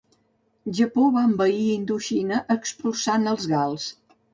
Japó va envair Indoxina expulsant els gals.